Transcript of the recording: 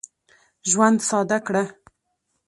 ژوند ساده کړه.